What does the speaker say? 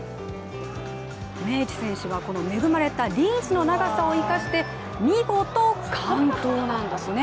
明智選手は、この恵まれたリーチの長さを生かして見事、完登なんですね。